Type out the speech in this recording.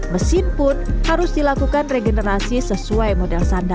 mesin pun harus dilakukan regenerasi sesuai model sandal